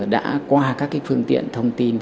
đã qua các phương tiện thông tin